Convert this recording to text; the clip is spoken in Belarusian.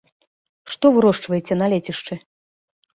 Што вырошчваеце на лецішчы?